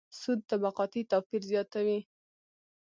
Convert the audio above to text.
سود طبقاتي توپیر زیاتوي.